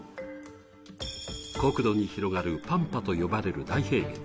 国土に広がるパンパと呼ばれる大平原。